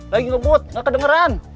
lagi ngebut gak kedengeran